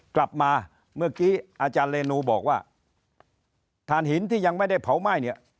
กลับมาเมื่อกี้อาจารย์เรนูบอกว่าฐานหินที่ยังไม่ได้เผาไหม้เนี่ย